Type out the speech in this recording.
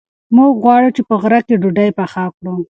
موږ غواړو چې په غره کې ډوډۍ پخه کړو.